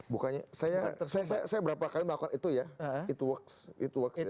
bukannya saya berapa kali melakukan itu ya it works it works